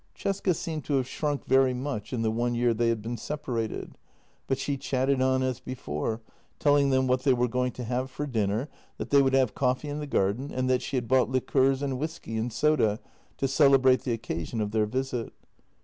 Cesca seemed to have shrunk very much in the one year they had been sepa rated, but she chatted on as before, telling them w T hat they were going to have for dinner, that they would have coffee in the garden, and that she had bought liqueurs and whisky and soda to celebrate the occasion of their visit.